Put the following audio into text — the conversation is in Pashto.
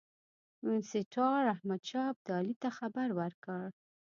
وینسیټار احمدشاه ابدالي ته خبر ورکړ.